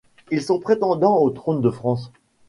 Ils sont prétendants au trône de France.